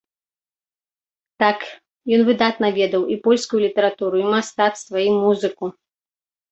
Так, ён выдатна ведаў і польскую літаратуру, і мастацтва, і музыку.